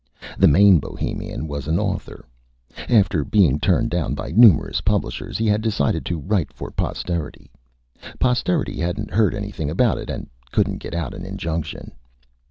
The main Bohemian was an Author. After being Turned Down by numerous Publishers, he had decided to write for Posterity. Posterity hadn't heard anything about it, and couldn't get out an Injunction.